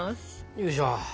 よいしょ。